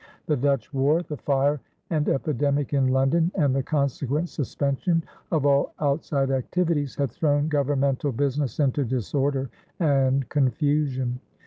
The Dutch war, the fire and epidemic in London, and the consequent suspension of all outside activities, had thrown governmental business into disorder and confusion.